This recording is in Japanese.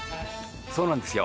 そうなんですよ。